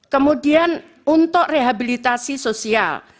kemudian untuk rehabilitasi sosial